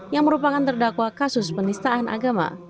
yang merupakan terdakwa kasus penistaan agama